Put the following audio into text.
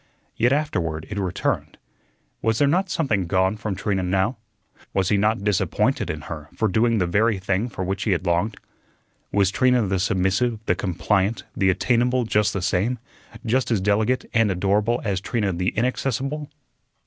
Yet afterward it returned. Was there not something gone from Trina now? Was he not disappointed in her for doing that very thing for which he had longed? Was Trina the submissive, the compliant, the attainable just the same, just as delicate and adorable as Trina the inaccessible?